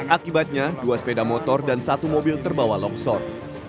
akibatnya dua sepeda motor dan satu mobil terbawa longsor